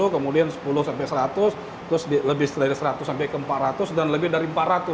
kemudian sepuluh sampai seratus terus lebih dari seratus sampai ke empat ratus dan lebih dari empat ratus